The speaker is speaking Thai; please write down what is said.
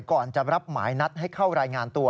ก่อนจะรับหมายนัดให้เข้ารายงานตัว